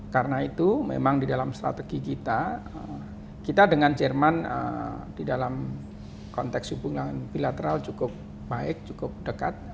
karena itu memang di dalam strategi kita kita dengan jerman di dalam konteks hubungan bilateral cukup baik cukup dekat